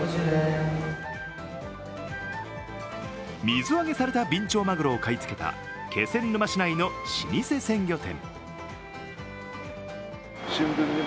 水揚げされたビンチョウマグロを買い付けた気仙沼市内の老舗鮮魚店。